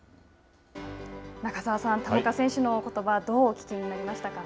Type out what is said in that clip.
中澤さん、田中選手のことばどうお聞きになりましたか。